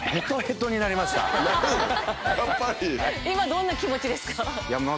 今どんな気持ちですか？